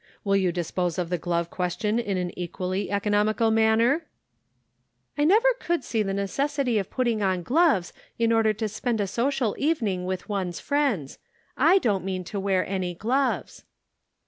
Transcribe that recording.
Shall you dispose of the glove question in an equally econom ical manner ?" "I never could see the necessity of putting on gloves in order to spend a social evening with one's friends. 7 don't mean to wear any gloves."